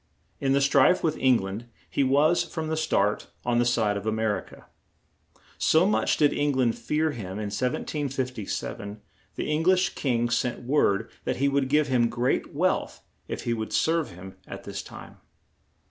In the strife with Eng land he was, from the start, on the side of A mer i ca. So much did Eng land fear him in 1757, the Eng lish king sent word that he would give him great wealth if he would serve him at this time.